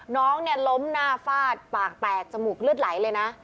น้องเนี่ยล้มหน้าฟาดปากแตกจมูกเลือดไหลเลยนะ